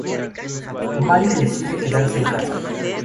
Mary decide quedarse en casa.